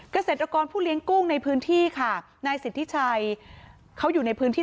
เกษตรกรผู้เลี้ยงกุ้งในพื้นที่ค่ะนายสิทธิชัยเขาอยู่ในพื้นที่